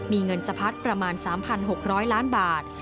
มีเงินสะพัดประมาณ๓๖๐๐ล้านบาท